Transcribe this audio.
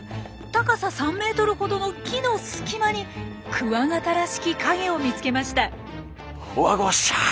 高さ３メートルほどの木の隙間にクワガタらしき影を見つけました。